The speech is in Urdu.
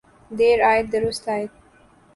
دیر آید درست آید۔